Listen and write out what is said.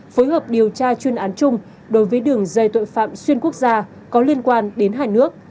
phối hợp điều tra chuyên án chung đối với đường dây tội phạm xuyên quốc gia có liên quan đến hai nước